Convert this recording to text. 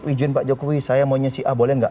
izin pak jokowi saya mau nyusun a boleh gak